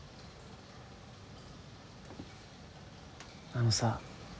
あのさ。